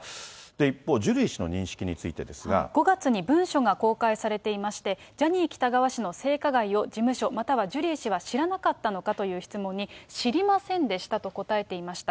一方、５月に文書が公開されていまして、ジャニー喜多川氏の性加害を事務所、またはジュリー氏は知らなかったのかという質問に、知りませんでしたと答えていました。